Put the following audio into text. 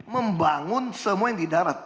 membangun semua yang di darat